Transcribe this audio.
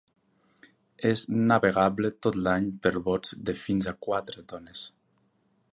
És navegable tot l'any per bots de fins a quatre tones.